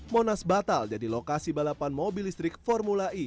monas batal jadi lokasi balapan mobil listrik formula e